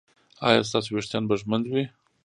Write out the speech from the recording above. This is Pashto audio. ایا ستاسو ویښتان به ږمنځ وي؟